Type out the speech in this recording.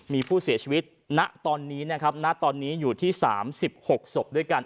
มีผู้เสียชีวิตณตอนนี้อยู่ที่๓๖ศพด้วยกัน